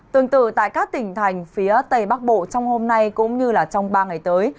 tương tự tại các tỉnh thành phía tây bắc bộ trong hôm nay cũng như trong ba ngày tới